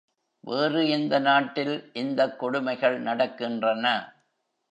வேறு எந்த நாட்டில் இந்தக் கொடுமைகள் நடக்கின்றன?